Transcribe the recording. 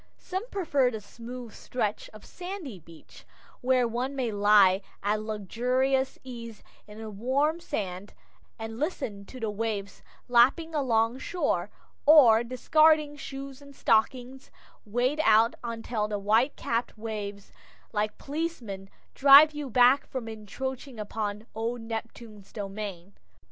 Some prefer the smooth stretch of sandy beach, where one may lie at luxurious ease in the warm sand, and listen to the waves lapping along shore, or, discarding shoes and stockings, wade out until the white capped waves, like policemen, drive you back from encroaching upon old Neptune's domain.